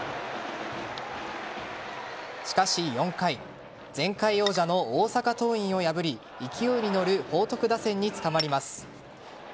しかし４回前回王者の大阪桐蔭を破り勢いに乗る報徳打線に捕まります。